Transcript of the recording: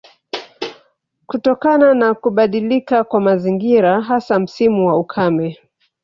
Kutokana na kubadilika kwa mazingira hasa msimu wa ukame